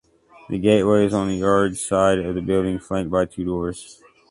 The gateway is on the yard side of the building flanked by two doors.